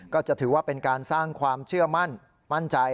ก็จะถือว่าเป็นการสร้างความเชื่อมั่นมั่นใจ